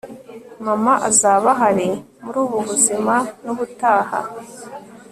mama azaba ahari muri ubu buzima nubutaha